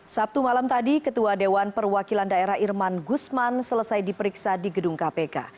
sabtu malam tadi ketua dewan perwakilan daerah irman gusman selesai diperiksa di gedung kpk